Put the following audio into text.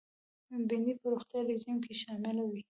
بېنډۍ په روغتیایي رژیم کې شامله وي